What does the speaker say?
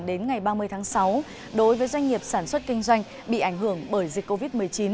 đến ngày ba mươi tháng sáu đối với doanh nghiệp sản xuất kinh doanh bị ảnh hưởng bởi dịch covid một mươi chín